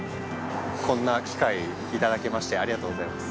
こんな機会いただけましてありがとうございます。